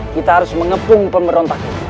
kita harus mengepung pemberontak